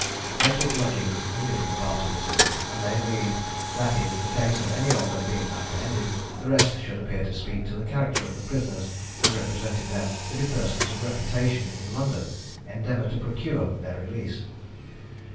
They took lodgings in different parts of the city; and they agreed, that in case of any of them being apprehended, the rest should appear to speak to the character of the prisoners, and representing them to be persons of reputation in London, endeavour to procure their release.